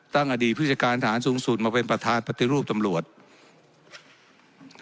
ตั้งอดีต์พฤศกาลฐานสูงสุดมาเป็นประธานปฏิรูปตำรวจ